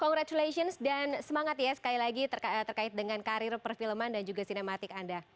congratulations dan semangat ya sekali lagi terkait dengan karir perfilman dan juga sinematik anda